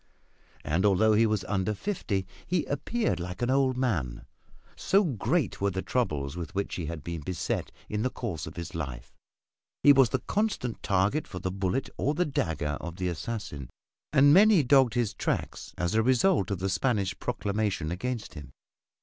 And although he was under fifty, he appeared like an old man, so great were the troubles with which he had been beset in the course of his life. He was the constant target for the bullet or the dagger of the assassin, and many dogged his tracks as a result of the Spanish proclamation against him.